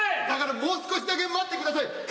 だからもう少しだけ待ってください。